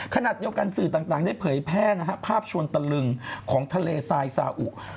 ขณะเดียวกันสื่อต่างได้เผยแพร่ภาพชวนตะลึงของทะเลทรายซาอุ